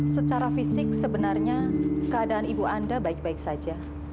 secara fisik sebenarnya keadaan ibu anda baik baik saja